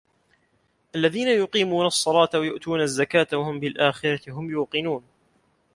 الَّذينَ يُقيمونَ الصَّلاةَ وَيُؤتونَ الزَّكاةَ وَهُم بِالآخِرَةِ هُم يوقِنونَ